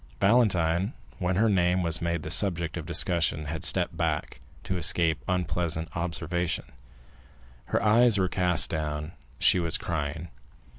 Valentine, when her name was made the subject of discussion, had stepped back, to escape unpleasant observation; her eyes were cast down, and she was crying.